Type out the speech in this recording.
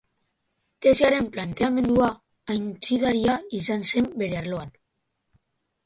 Tesiaren planteamendua aitzindaria izan zen bere arloan.